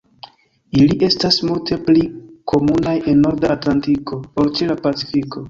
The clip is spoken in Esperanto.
Ili estas multe pli komunaj en norda Atlantiko ol ĉe la Pacifiko.